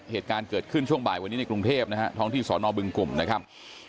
เหตุการณ์เกิดขึ้นช่วงบ่ายวันนี้ในกรุงเทพนะฮะท้องที่สอนอบึงกลุ่มนะครับ